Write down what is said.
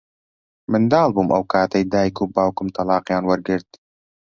منداڵ بووم ئەو کاتەی دیک و باوکم تەڵاقیان وەرگرت.